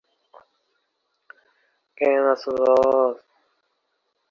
এটি পূর্ব তিব্বত সীমান্তবর্তী এবং হিমাচল প্রদেশ রাজ্যের উত্তর-পূর্ব প্রান্তে অবস্থিত।